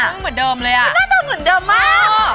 เหมือนเดิมเลยอ่ะเป็นน่าต่างเหมือนเดิมมาก